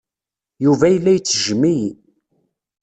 Yuba yella ittejjem-iyi.